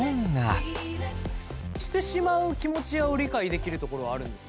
してしまう気持ちを理解できるところはあるんですか？